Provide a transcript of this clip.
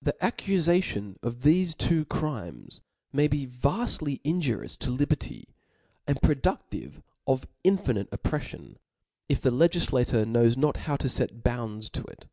The accufation of thefe two crimes may be vaftly injurioMS to liber ty, and productive of infinite oppreffion, if the legiflator knows not how to fet bounds to it.